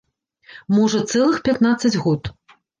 Можа, цэлых пятнаццаць год!